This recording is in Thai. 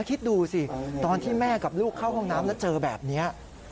คิดดูสิตอนที่แม่กับลูกเข้าห้องน้ำแล้วเจอแบบนี้